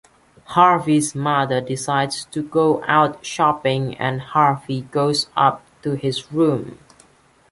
Harvey's mother decides to go out shopping and Harvey goes up to his room.